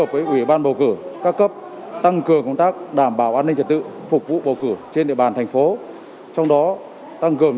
và tăng cường công tác đảm bảo an ninh trật tự trên địa bàn thành phố vĩnh yên